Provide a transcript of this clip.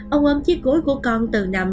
ông ôm chiếc gối của con từ nằm